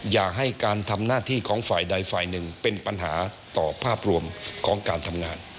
อย่าให้การทำหน้าที่ของฝ่ายใดฝ่ายหนึ่งเป็นปัญหาต่อภาพรวมของการทำงาน